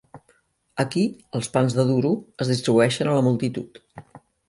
Aquí, els pans de duro es distribueixen a la multitud.